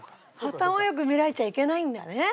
頭良く見られちゃいけないんだね。